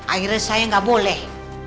akhirnya saya gak boleh